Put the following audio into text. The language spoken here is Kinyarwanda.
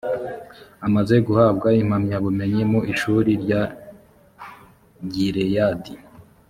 amaze guhabwa impamyabumenyi mu ishuri rya gileyadi